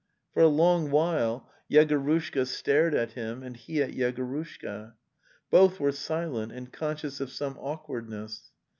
For a long while Yegorushka stared at him, and he at Yegorushka. Both were silent and conscious of some awkwardness.